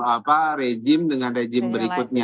apa rejim dengan rejim berikutnya